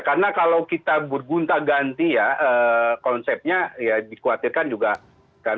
karena kalau kita bergunda ganti ya konsepnya ya dikhawatirkan juga kan pemikiran